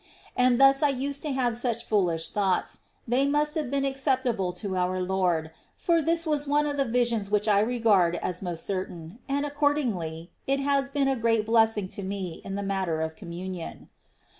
And thus I used to have such foolish thoughts — they must have been acceptable to our Lord, for this was one of the visions which I regard as most certain ; and, accordingly, it has been a great blessing to me in the matter of Communion.